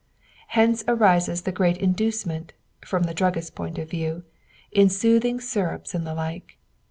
Hence arises the great inducement, from the druggist's point of view, in soothing syrups and the like.